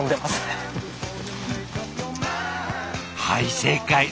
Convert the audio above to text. はい正解。